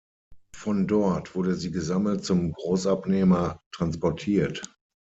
Von dort wurde sie gesammelt zum Großabnehmer transportiert.